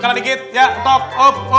kayaknya ada bemo